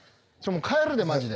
帰るでマジで。